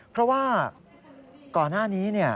เพราะว่าก่อนหน้านี้